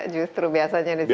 justru biasanya disitu ya